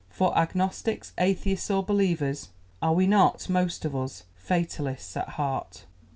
For, agnostics, atheists or believers, are we not, most of us, fatalists at heart?